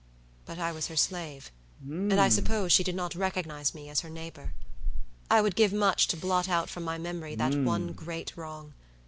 But I was her slave, and I suppose she did not recognize me as her neighbor. I would give much to blot out from my memory that one great wrong.